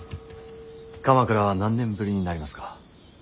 鎌倉は何年ぶりになりますか。